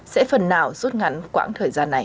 sẽ phần nào rút ngắn quãng thời gian này